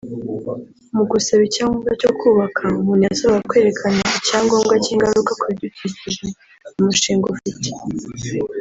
Mu gusaba icyangombwa cyo kubaka umuntu yasabwaga kwerekana icyangombwa cy’ingaruka ku bidukikije umushinga ufite